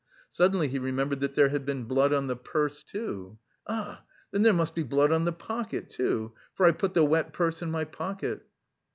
Suddenly he remembered that there had been blood on the purse too. "Ah! Then there must be blood on the pocket too, for I put the wet purse in my pocket!"